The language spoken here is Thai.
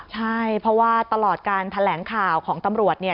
ใช่เพราะว่าตลอดการแถลงข่าวของตำรวจเนี่ย